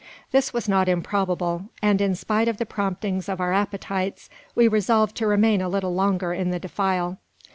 This was not improbable; and in spite of the promptings of our appetites, we resolved to remain a while longer in the defile.